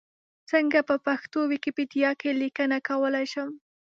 څنګه په پښتو ویکیپېډیا کې لیکنه کولای شم؟